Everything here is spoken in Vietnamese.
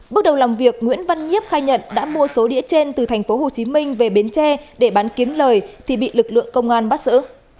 bước đầu làm việc nguyễn văn nhếp khai nhận đã mua số đĩa trên từ thành phố hồ chí minh về bến tre để bán kiếm lời thì bị lực lượng công an bắt sử